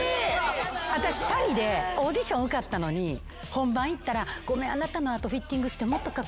私パリでオーディション受かったのに本番いったら「ごめんあなたの後フィッティングして」